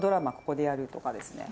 ここでやるとかですね。